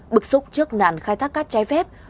bực súc trước nạn khai thác cát trái phép